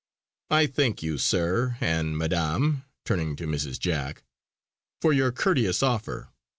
I thank you, sir, and Madam" turning to Mrs. Jack "for your courteous offer.